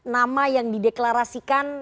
nama yang dideklarasikan